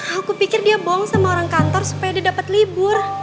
aku pikir dia bohong sama orang kantor supaya dia dapat libur